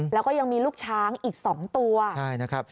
แล้วก็ยังมีลูกช้างอีก๒ตัว